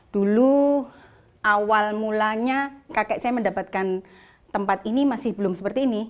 dulu awal mulanya kakek saya mendapatkan tempat ini masih belum seperti ini